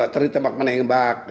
terdiri tembak menembak